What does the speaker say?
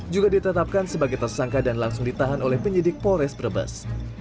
juga ditetapkan sebagai tersangka dan langsung ditahan oleh penyidik polres brebes